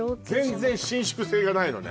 全然伸縮性がないのね